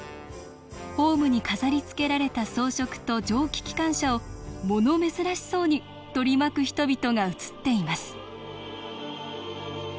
ホームに飾りつけられた装飾と蒸気機関車を物珍しそうに取り巻く人々が写っています